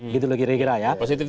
gitu loh kira kira ya